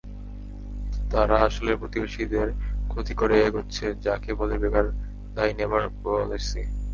তারা আসলে প্রতিবেশীদের ক্ষতি করে এগোচ্ছে, যাকে বলে বেগার দাই নেইবার পলিসি।